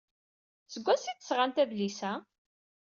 Seg wansi ay d-sɣant adlis-a?